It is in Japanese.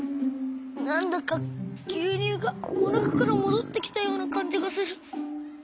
なんだかぎゅうにゅうがおなかからもどってきたようなかんじがする。